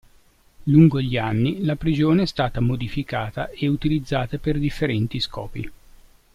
Lungo gli anni la prigione è stata modificata e utilizzata per differenti scopi.